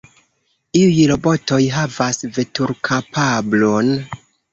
Iuj robotoj havas veturkapablon.